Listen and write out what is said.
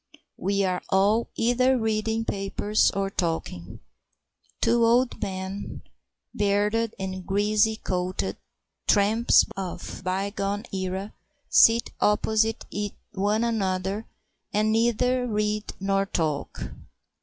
We are all either reading papers or talking. Two old men, bearded and greasy coated, tramps of a bygone era, sit opposite one another and neither read nor talk.